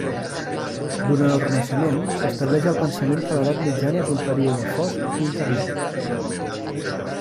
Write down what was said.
Durant el Renaixement s'estableix el pensament que l'edat mitjana és un període fosc i intermedi.